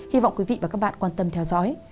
hy vọng quý vị và các bạn quan tâm theo dõi